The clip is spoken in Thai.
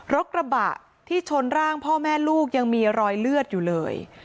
รถกระบะที่ชนร่างพ่อแม่ลูกยังมีรอยเลือดอยู่เลย